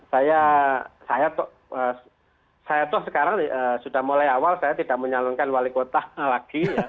saya saya toh sekarang sudah mulai awal saya tidak menyalurkan wali kota lagi